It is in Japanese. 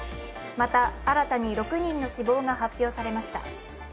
また、新たに６人の死亡が発表されました。